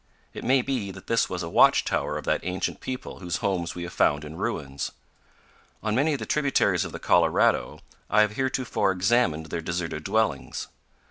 It may be that this was a watchtower of that ancient people whose homes we have found in ruins. On many of the tributaries of the Colorado, I have heretofore examined their deserted dwellings.